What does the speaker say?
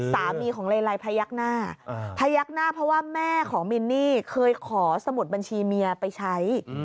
สามีของเลไลพยักหน้าพยักหน้าเพราะว่าแม่ของมินนี่เคยขอสมุดบัญชีเมียไปใช้